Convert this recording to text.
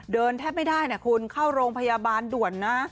เดินแทบไม่ได้คุณเข้ารงพยาบาลด่วนนะ